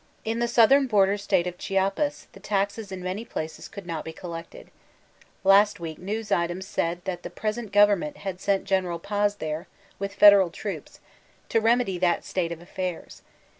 In the southern border state of Chiapas, the taxes in many places could not be collected. Last week news items said that the present government had sent General Pftz there, mth federal troops, to remedy that state of affairs.